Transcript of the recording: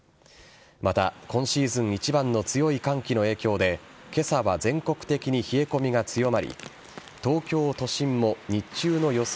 また、今シーズン一番の強い寒気の影響で今朝は全国的に冷え込みが強まり東京都心も日中の予想